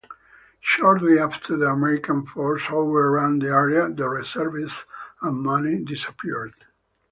Shortly after the American forces overran the area, the reserves and money disappeared.